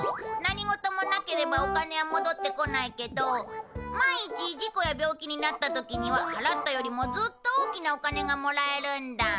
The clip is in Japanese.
何事もなければお金は戻ってこないけど万一事故や病気になった時には払ったよりもずっと大きなお金がもらえるんだ。